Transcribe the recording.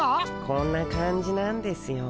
こんな感じなんですよ。